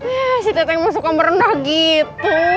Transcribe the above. eh si teteng mau suka merendah gitu